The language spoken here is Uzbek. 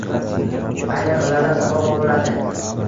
Aynan ulardan saboq olinadi.